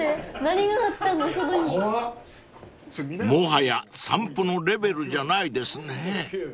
［もはや散歩のレベルじゃないですね］